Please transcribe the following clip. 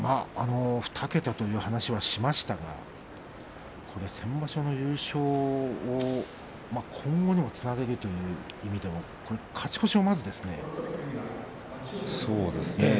２桁という話はしましたが先場所の優勝を今後につなげるという意味でもまずは勝ち越し。